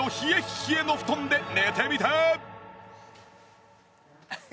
冷えの布団で寝てみて！